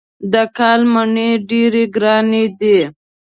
دا کال مڼې ډېرې ګرانې دي.